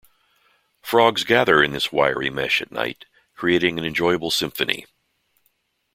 Frogs gather in this wiry mesh at night, creating an enjoyable symphony.